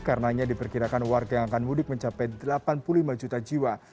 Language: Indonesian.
karenanya diperkirakan warga yang akan mudik mencapai delapan puluh lima juta jiwa